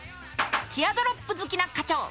ティアドロップ好きな課長。